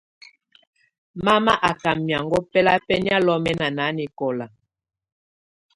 Mama à ká miaŋgɔ̀a bɛlabɔnɛ̀á lɔmɛna nanǝkɔla.